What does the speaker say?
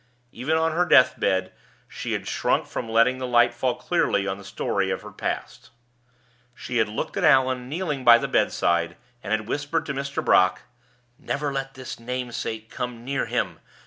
Even on her deathbed she had shrunk from letting the light fall clearly on the story of the past. She had looked at Allan kneeling by the bedside, and had whispered to Mr. Brock: "_Never let his Namesake come near him!